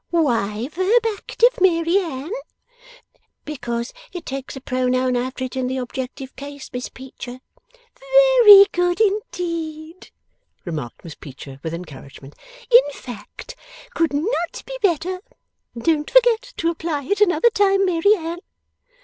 'Why verb active, Mary Anne?' 'Because it takes a pronoun after it in the objective case, Miss Peecher.' 'Very good indeed,' remarked Miss Peecher, with encouragement. 'In fact, could not be better. Don't forget to apply it, another time, Mary Anne.